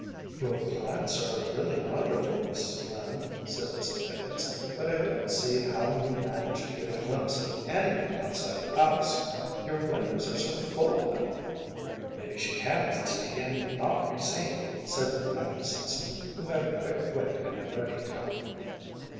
“Your plants are really wonderful, Mrs. Glynn,‚ÄĚ said Mrs. Bates, “but I don’t see how you manage to get a glimpse of anything outside the house, your windows are so full of them.‚ÄĚ “Maybe she can see and not be seen,‚ÄĚ said Abby Simson, who had a quick wit and a ready tongue.